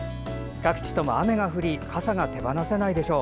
各地とも雨が降り傘が手放せないでしょう。